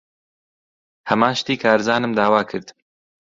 ھەمان شتی کارزانم داوا کرد.